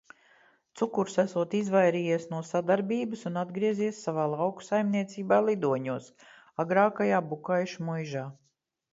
"Cukurs esot izvairījies no sadarbības un atgriezies savā lauku saimniecībā "Lidoņos" agrākajā Bukaišu muižā."